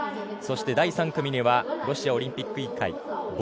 そして第３組にはロシアオリンピック委員会